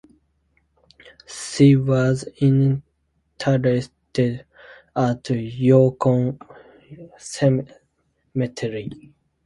She was interred at Yarkon Cemetery.